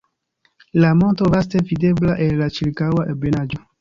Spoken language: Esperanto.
La monto vaste videbla el la ĉirkaŭa ebenaĵo.